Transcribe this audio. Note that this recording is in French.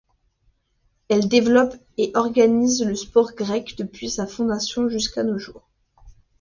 Elle développe et organise le sport grec depuis sa fondation jusqu'à nos jours.